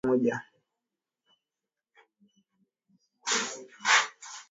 wahamiaji wengi kutoka nchi zote za Ulaya pamoja